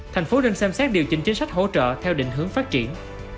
thành phố đang xem xét điều chỉnh chính sách hỗ trợ theo định hướng phát triển